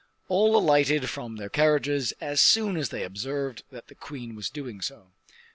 All alighted from their carriages as soon as they observed that the queen was doing so.